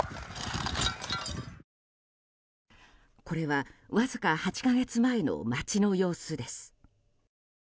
これは、わずか８か月前の街の様子です。